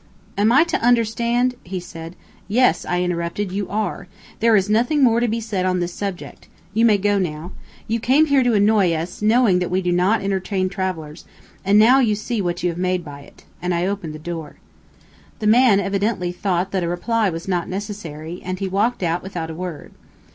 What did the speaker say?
"Am I to understand ?" he said. "Yes," I interrupted, "you are. There is nothing more to be said on this subject. You may go now. You came here to annoy us, knowing that we did not entertain travelers, and now you see what you have made by it," and I opened the door. The man evidently thought that a reply was not necessary, and he walked out without a word.